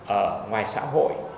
ở ngoài xã hội